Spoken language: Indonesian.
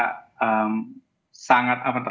jadi masjid yang di sana itu bukan masjid ini